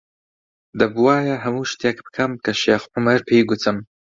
دەبووایە هەموو شتێک بکەم کە شێخ عومەر پێی گوتم.